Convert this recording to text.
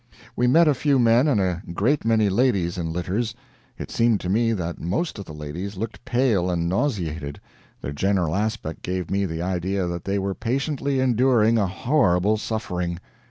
We met a few men and a great many ladies in litters; it seemed to me that most of the ladies looked pale and nauseated; their general aspect gave me the idea that they were patiently enduring a horrible suffering.